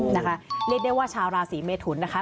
นะคะเรียกได้ว่าชาวราศีเมทุนนะคะ